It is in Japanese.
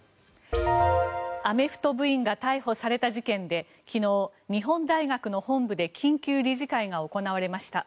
アメフト部員が逮捕された事件で昨日、日本大学の本部で緊急理事会が行われました。